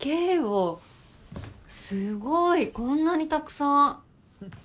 すごいこんなにたくさん。